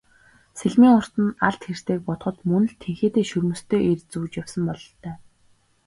Сэлмийн урт нь алд хэртэйг бодоход мөн л тэнхээтэй шөрмөстэй эр зүүж явсан бололтой.